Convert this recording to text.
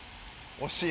惜しい。